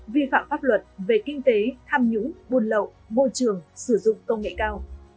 về các pháp luận về kinh tế tham nhũng buôn lậu vô trường sử dụng công nghệ cao